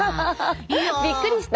いや。びっくりした？